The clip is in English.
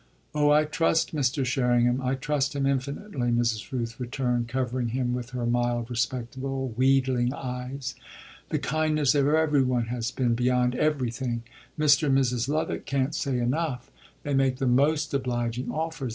"Oh, I trust Mr. Sherringham I trust him infinitely," Mrs. Rooth returned, covering him with her mild, respectable, wheedling eyes. "The kindness of every one has been beyond everything. Mr. and Mrs. Lovick can't say enough. They make the most obliging offers.